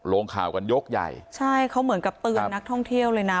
ลงข่าวกันยกใหญ่ใช่เขาเหมือนกับเตือนนักท่องเที่ยวเลยนะ